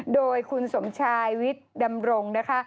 โดยคุณสมชายวิทดำรงค์